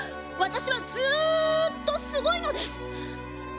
私はずっとすごいのです。